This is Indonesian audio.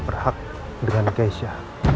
berhak dengan keisha